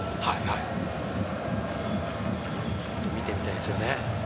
見てみたいですね。